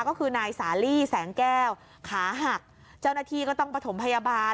ก็คือนายสาลีแสงแก้วขาหักเจ้าหน้าที่ก็ต้องประถมพยาบาล